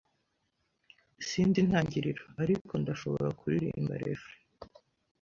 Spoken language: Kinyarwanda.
Sinzi intangiriro, ariko ndashobora kuririmba refrain.